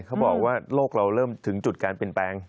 เขาบอกว่าโลกเราเริ่มถึงจุดการเปลี่ยนแปลง